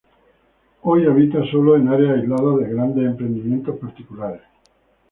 Hoy habita sólo en áreas aisladas de grandes emprendimientos particulares.